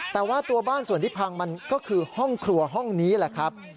แต่ว่าตัวบ้านส่วนที่พังมันก็คือห้องครัวห้องนี้แหละครับ